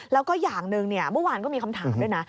แล้วก็อย่างหนึ่งเมื่อวานก็มีคำถามด้วยนะ